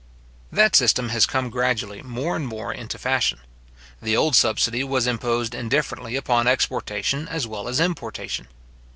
That system has come gradually more and more into fashion. The old subsidy was imposed indifferently upon exportation, as well as importation.